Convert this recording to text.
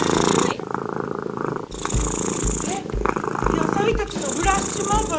野菜たちのフラッシュモブ！？